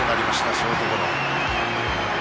ショートゴロ。